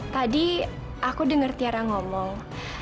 tadi aku dengar tiara ngomong